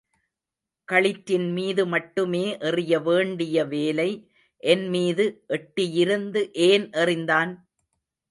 களிற்றின் மீது மட்டுமே எறிய வேண்டிய வேலை என் மீது எட்டியிருந்து ஏன் எறிந்தான்?